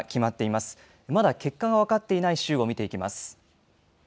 まだ結果が分かっていない州を見ていきます。